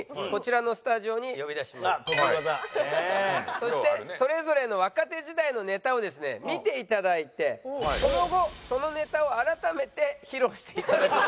そしてそれぞれの若手時代のネタをですね見ていただいてその後そのネタを改めて披露していただく。